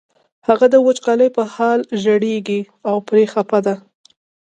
هغه د وچکالۍ په حال ژړېږي او پرې خپه دی.